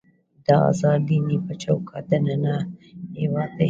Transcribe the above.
د ازاد دینۍ په چوکاټ دننه هېواد دی.